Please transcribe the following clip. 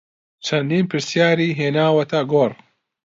چەندین پرسیاری هێناوەتە گۆڕ